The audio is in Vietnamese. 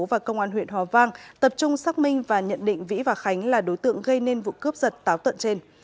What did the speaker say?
và công an huyện hòa vang tập trung xác minh và nhận định vĩ và khánh là đối tượng gây nên vụ cướp giật táo tận trên